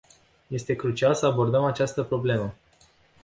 Este crucial să abordăm această problemă.